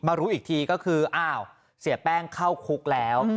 รู้อีกทีก็คืออ้าวเสียแป้งเข้าคุกแล้ว